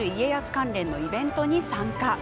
関連のイベントに参加。